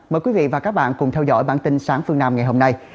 mời quý vị và các bạn cùng theo dõi bản tin sáng phương nam ngày hôm nay